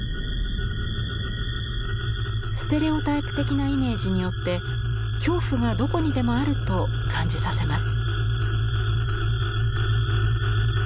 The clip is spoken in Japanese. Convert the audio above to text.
ステレオタイプ的なイメージによって恐怖がどこにでもあると感じさせます。